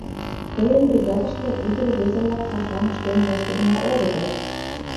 Тыйын бригадыште ӱдыр-рвезе-влак пашам ыштен моштыдымо огытыл.